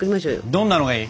どんなのがいい？